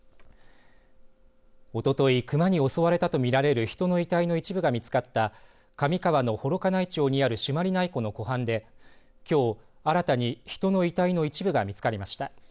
おととい熊に襲われたと見られる人の遺体の一部が見つかった上川の幌加内町にある朱鞠内湖の湖畔できょう新たに人の遺体の一部が見つかりました。